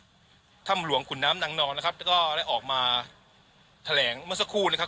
ถ้ำหลวงขุนน้ำนางนอนนะครับแล้วก็ได้ออกมาแถลงเมื่อสักครู่นะครับ